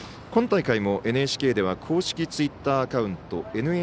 今大会もＮＨＫでは公式ツイッターアカウント